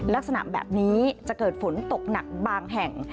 ลักษณะแบบนี้จะเกิดฝนตกหนักบางแห่ง